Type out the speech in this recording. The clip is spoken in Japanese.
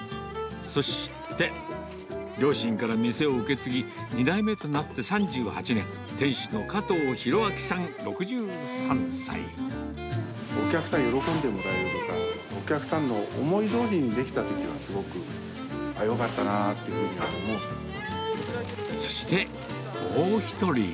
そして、両親から店を受け継ぎ、２代目となって３８年、店主の加藤裕章さお客さんに喜んでもらえるとか、お客さんの思いどおりにできたときは、すごく、ああ、よかったなそして、もう一人。